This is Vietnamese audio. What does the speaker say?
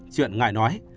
chuyện ngại nói